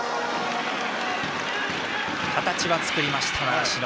形は作りました、習志野。